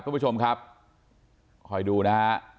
คุณผู้ชมครับคอยดูนะฮะ